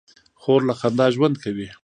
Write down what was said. خور له خندا ژوند کوي.